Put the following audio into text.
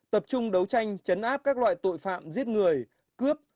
tập trung đấu tranh chấn áp các loại tội phạm giết người cướp